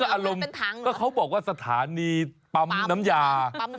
อารมณ์ก็เขาบอกว่าสถานีปั๊มน้ำยา